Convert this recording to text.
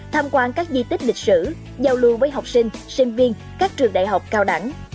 tham quan các di tích lịch sử giao lưu với học sinh sinh viên các trường đại học cao đẳng